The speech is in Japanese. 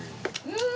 うん！